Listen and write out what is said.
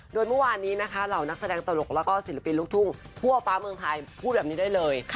โดยเมื่อวานนี้หล่านักแสดงตลกและศิลปินลุกทุ่งพั่ฟ้าเมืองไทยบอกอย่างนี้ได้เลย